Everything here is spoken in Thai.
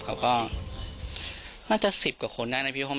ช่วยเร่งจับตัวคนร้ายให้ได้โดยเร่ง